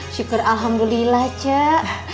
syukur alhamdulillah cak